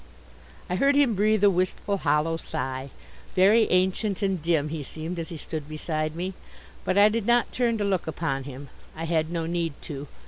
I heard him breathe a wistful hollow sigh. Very ancient and dim he seemed as he stood beside me. But I did not turn to look upon him. I had no need to.